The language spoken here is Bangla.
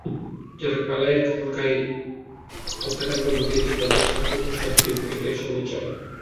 যারা কালাইয়ের খানকায় হত্যাকাণ্ড ঘটিয়েছে, তাদের কঠোর শাস্তি হোক, এটা সবাই চায়।